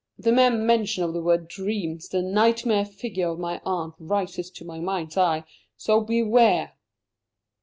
At the mere mention of the word 'dreams' the nightmare figure of my aunt rises to my mind's eye. So beware."